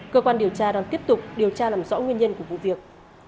cơ quan điều tra đang tiếp tục điều tra làm rõ nguyên nhân của vụ việc